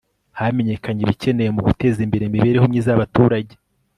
hamenyekane ibikenewe mu guteza imbere imibereho myiza y'abaturage